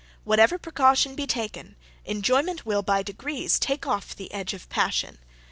Whatever precaution be taken, enjoyment will, by degrees, take off the edge of passion.